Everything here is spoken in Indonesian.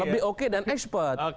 lebih oke dan expert